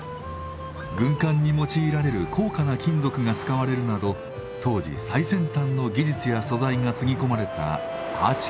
軍艦に用いられる高価な金属が使われるなど当時最先端の技術や素材がつぎ込まれたアーチ橋です。